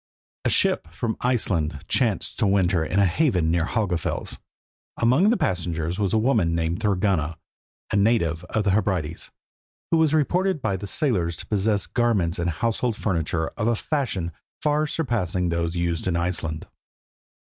A ship from Iceland chanced to winter in a haven near Helgafels. Among the passengers was a woman named Thorgunna, a native of the Hebrides, who was reported by the sailors to possess garments and household furniture of a fashion far surpassing those used in Iceland.